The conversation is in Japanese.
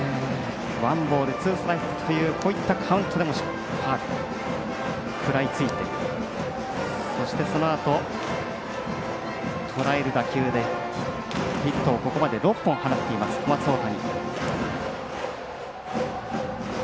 ワンボールツーストライクでもこういったカウントでもしっかり食らいついて、そのあととらえる打球でヒットをここまで６本放っている、小松大谷。